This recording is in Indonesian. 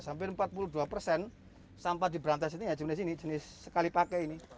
sampai empat puluh dua persen sampah di berantas ini yang jenis sekali pakai ini